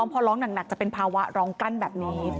พอร้องหนักจะเป็นภาวะร้องกั้นแบบนี้